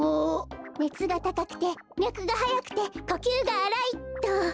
「ねつがたかくてみゃくがはやくてこきゅうがあらい」っと。